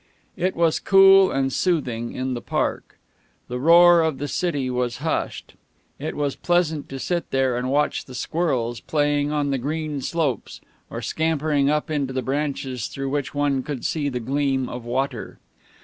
It was cool and soothing in the park. The roar of the city was hushed. It was pleasant to sit there and watch the squirrels playing on the green slopes or scampering up into the branches through which one could see the gleam of water.